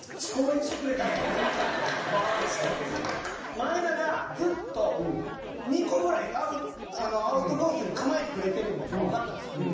前田がずっと２個ぐらいアウトコースに構えてくれてるのがわかったんですよ。